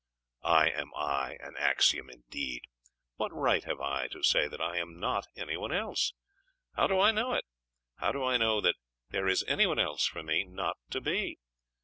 '"I am I" an axiom, indeed! What right have I to say that I am not any one else? How do I know it? How do I know that there is any one else for me not to be?